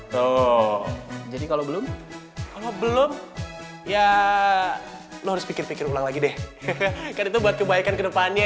loh jadi kalau belum belum ya lo pikir pikir ulang lagi deh itu buat kebaikan kedepannya